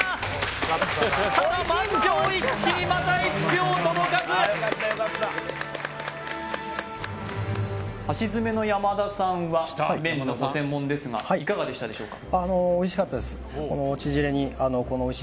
ただ満場一致にまた一票届かずはしづめの山田さんは麺のご専門ですがいかがでしたでしょうか？